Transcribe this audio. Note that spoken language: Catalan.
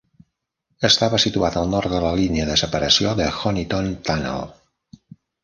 Estava situat al nord de la línia de separació de Honiton Tunnel.